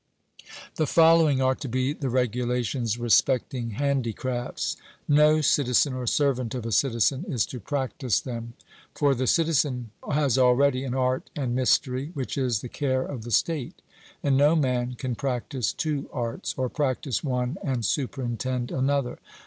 The following are to be the regulations respecting handicrafts: No citizen, or servant of a citizen, is to practise them. For the citizen has already an art and mystery, which is the care of the state; and no man can practise two arts, or practise one and superintend another.